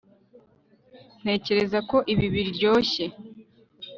Ntekereza ko ibi biryoshye